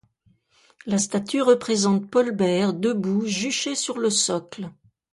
La statue représente Paul Bert debout juché sur le socle.